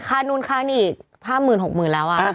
ค่านู้นค่านี้อีกห้าหมื่นหกหมื่นแล้วอ่ะ